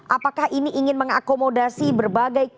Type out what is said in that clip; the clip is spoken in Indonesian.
apakah ini ingin mengakomodasi berbagai